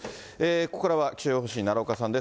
ここからは気象予報士、奈良岡さんです。